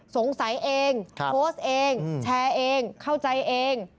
สงสัยเองโพสต์เองแชร์เองเข้าใจเอง